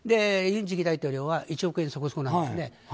尹次期大統領は１億円そこそこなんですね。